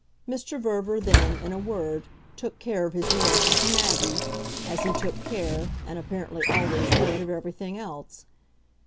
Mr. Verver then, in a word, took care of his relation to Maggie, as he took care, and apparently always would, of everything else.